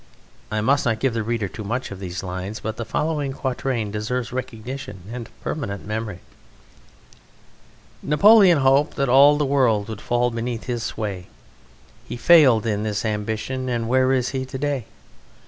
I must not give the reader too much of these lines, but the following quatrain deserves recognition and a permanent memory: Napoleon hoped that all the world would fall beneath his sway. He failed in this ambition; and where is he to day?